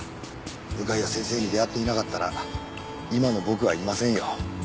向谷先生に出会っていなかったら今の僕はいませんよ。